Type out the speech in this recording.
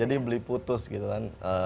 jadi beli putus gitu kan